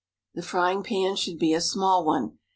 The frying pan should be a small one.